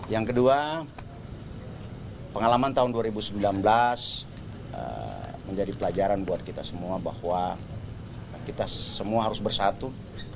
yang kedua pengalaman tahun dua ribu sembilan belas menjadi pelajaran buat kita semua bahwa kita semua harus bersatu